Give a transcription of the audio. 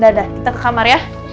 dada kita ke kamar ya